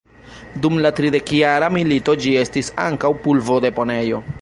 Dum la Tridekjara milito ĝi estis ankaŭ pulvodeponejo.